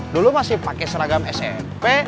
dulu masih pakai seragam smp